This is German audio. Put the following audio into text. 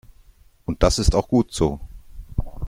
Und das ist auch gut so.